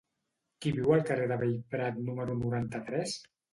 Qui viu al carrer de Bellprat número noranta-tres?